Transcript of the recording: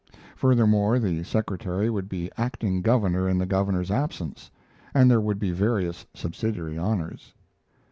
Furthermore, the secretary would be acting governor in the governor's absence, and there would be various subsidiary honors.